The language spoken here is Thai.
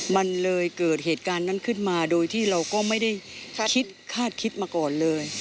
มันเลยเกิดเหตุการณ์นั้นขึ้นมาโดยที่เราก็ไม่ได้คิดคาดคิดมาก่อนเลย